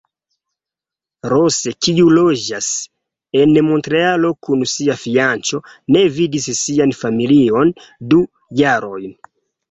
Rose, kiu loĝas en Montrealo kun sia fianĉo, ne vidis sian familion du jarojn.